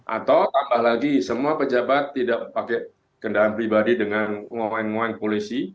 atau tambah lagi semua pejabat tidak pakai kendaraan pribadi dengan ngoin ngoin polisi